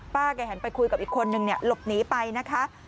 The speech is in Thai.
แกหันไปคุยกับอีกคนนึงเนี่ยหลบหนีไปนะคะ